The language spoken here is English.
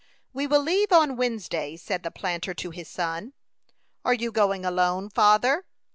"We will leave on Wednesday," said the planter to his son. "Are you going alone, father?"